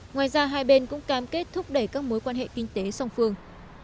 ngoài ra hai bên cũng cam kết thúc đẩy các mối quan hệ kinh tế song phương